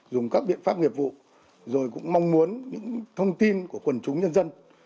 dùng các biện pháp nghiệp vụ rồi cũng mong muốn những thông tin của quần chúng nhân dân